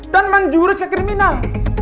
dan menjurus ke kriminal